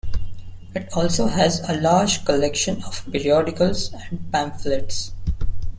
It also has a large collection of periodicals and pamphlets.